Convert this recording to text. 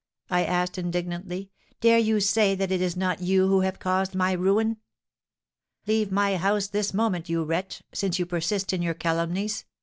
I asked, indignantly, 'dare you say that it is not you who have caused my ruin?' 'Leave my house this moment, you wretch, since you persist in your calumnies!'